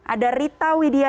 ada rita widianya